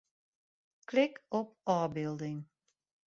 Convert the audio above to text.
Klik op ôfbylding.